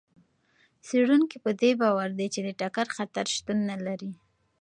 څېړونکي په دې باور دي چې د ټکر خطر شتون نه لري.